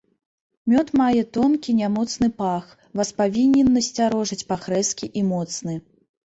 Мёд мае тонкі, нямоцны пах, вас павінен насцярожыць пах рэзкі і моцны.